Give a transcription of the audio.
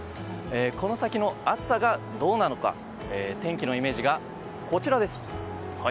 この先の暑さがどうなるのか天気のイメージがこちらです。